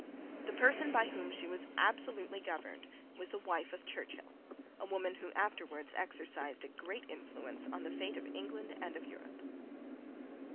The person by whom she was absolutely governed was the wife of Churchill, a woman who afterwards exercised a great influence on the fate of England and of Europe.